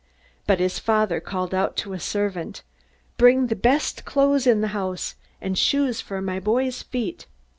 But his father called out to a servant: 'Bring the best clothes in the house, and shoes for my boy's feet.